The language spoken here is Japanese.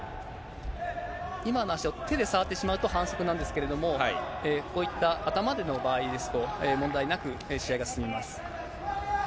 今の足を手で触ってしまうと、反則なんですけれども、こういった頭での場合ですと、問題なく試合が進みます。